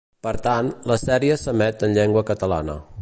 Per tant, la sèrie s’emet en llengua catalana.